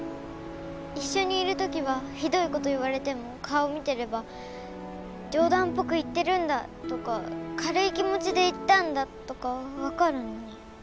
一緒にいるときはひどいこと言われても顔見てれば冗談っぽく言ってるんだとか軽い気持ちで言ったんだとかわかるのに。